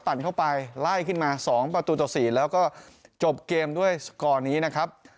เข้าไปไล่ขึ้นมา๒ประตูต่อ๔แล้วก็จบเกมด้วยสกอร์นี้นะครับ